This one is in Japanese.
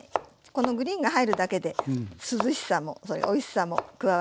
このグリーンが入るだけで涼しさもおいしさも加わりますよね。